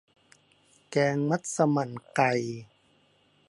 แกงมัสมั่นไก่